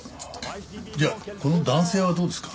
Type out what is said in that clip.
じゃあこの男性はどうですか？